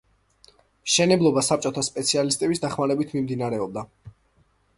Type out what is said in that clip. მშენებლობა საბჭოთა სპეციალისტების დახმარებით მიმდინარეობდა.